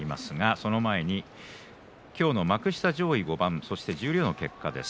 その前に今日の幕下上位５番そして十両の結果です。